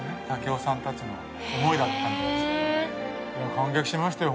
感激しましたよ